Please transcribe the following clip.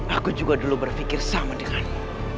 aku juga dulu berpikir sama denganmu